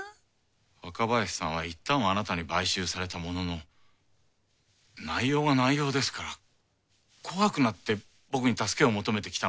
若林さんはいったんはあなたに買収されたものの内容が内容ですから怖くなって僕に助けを求めてきた。